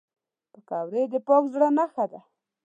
پکورې د پاک زړه نښه ده